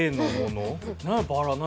バラ何？